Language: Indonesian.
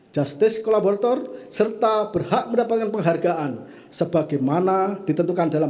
justice kolaborator serta berhak mendapatkan penghargaan sebagaimana ditentukan dalam